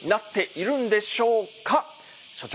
所長